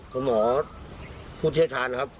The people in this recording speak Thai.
ผมหมอพูดเทศทานนะครับ